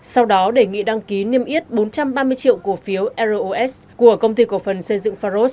sau đó đề nghị đăng ký niêm yết bốn trăm ba mươi triệu cổ phiếu ros của công ty cổ phần xây dựng pharos